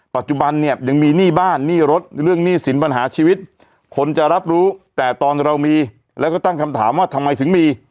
ปัจจุบันเนี่ยยังมีหนี้บ้านหนี้รถเรื่องหนี้สินปัญหาชีวิตคนจะรับรู้แต่ตอนเรามีแล้วก็ตั้งคำถามว่าทำไมถึงมี